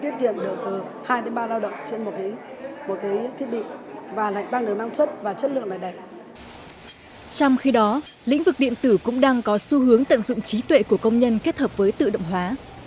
trong khi đó lĩnh vực điện tử cũng đang có xu hướng tận dụng trí tuệ của công nhân kết hợp với tự động hóa